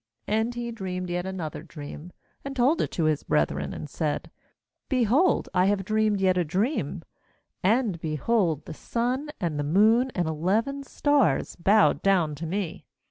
9And lie dreamed yet another dream, and told it to his brethren, and said: 'Behold, I have dreamed yet a dream: and, behold, the sun and the moon and eleven stars bowed down to me.'